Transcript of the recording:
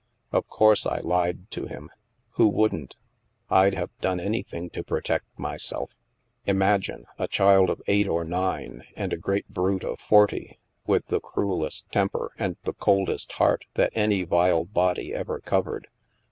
Of course I lied to him. Who wouldn't? I'd have done anything to protect my self. Imagine — a child of eight or nine and a great brute of forty, with the cruellest temper and the coldest heart that any vile body ever covered.